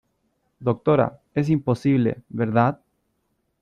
doctora, es imposible ,¿ verdad?